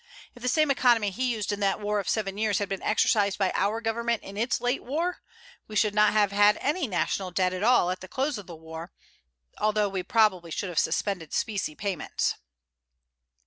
If the same economy he used in that war of seven years had been exercised by our Government in its late war, we should not have had any national debt at all at the close of the war, although we probably should have suspended specie payments.